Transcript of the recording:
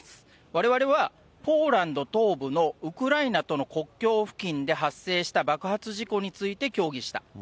われわれはポーランド東部のウクライナとの国境付近で発生した爆発事故について協議した。